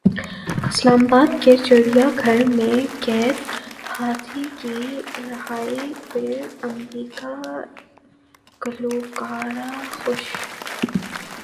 اسلام باد کے چڑیا گھر میں قید ہاتھی کی رہائی پر امریکی گلوکارہ خوش